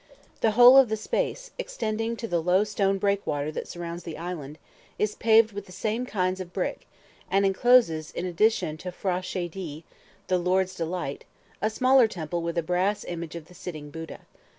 The whole of the space, extending to the low stone breakwater that surrounds the island, is paved with the same kind of brick, and encloses, in addition to the P'hra Cha dei ("The Lord's Delight"), a smaller temple with a brass image of the sitting Buddha.